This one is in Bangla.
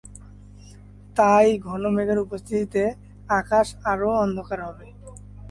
তাই ঘন মেঘের উপস্থিতিতে আকাশ আরও অন্ধকার হবে।